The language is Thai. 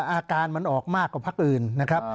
อาการมันออกมากว่าพักอื่นนะครับ